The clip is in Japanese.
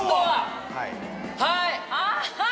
はい！